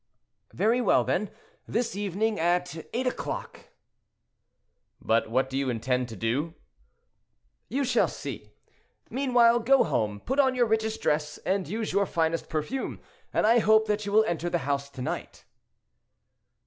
'" "Very well, then; this evening at eight o'clock." "But what do you intend to do?" "You shall see: meanwhile, go home; put on your richest dress, and use your finest perfume, and I hope that you will enter the house to night."